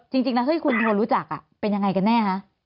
จริงแล้วคุณโทนรู้จักเป็นยังไงกันแน่